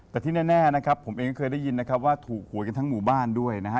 แต่ที่แน่ผมเองเคยได้ยินว่าถูกหวยกันทั้งหมู่บ้านด้วยนะฮะ